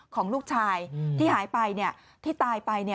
ของลูกชายที่หายไปที่ตายไป